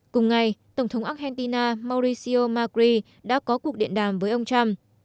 cùng ngày tổng thống argentina mauricio macri đã có cuộc điện đàm với ông trump